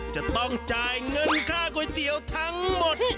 จะต้องจ่ายเงินค่าก๋วยเตี๋ยวทั้งหมด